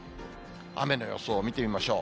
雨の予想見てみましょう。